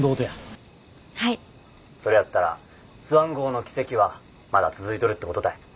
それやったらスワン号の奇跡はまだ続いとるってことたい。